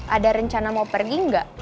ada rencana mau pergi nggak